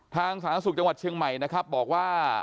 สาธารณสุขจังหวัดเชียงใหม่นะครับบอกว่า